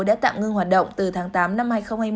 đã tạm ngưng hoạt động từ tháng tám năm hai nghìn hai mươi